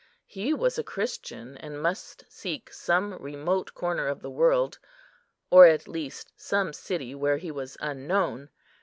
He was a Christian, and must seek some remote corner of the world, or at least some city where he was unknown.